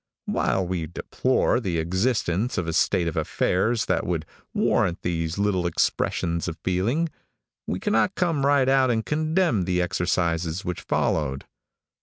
While we deplore the existence of a state of affairs that would warrant these little expressions of feeling, we cannot come right out and condemn the exercises which followed.